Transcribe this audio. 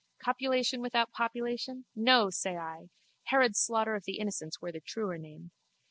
Copulation without population! No, say I! Herod's slaughter of the innocents were the truer name.